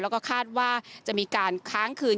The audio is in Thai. แล้วก็คาดว่าจะมีการค้างคืน